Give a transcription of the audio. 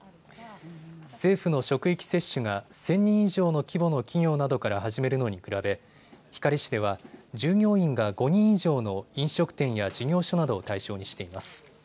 政府の職域接種が１０００人以上の規模の企業などから始めるのに比べ光市では従業員が５人以上の飲食店や事業所などを対象にしています。